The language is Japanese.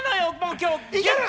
今日。